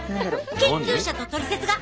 研究者と「トリセツ」が。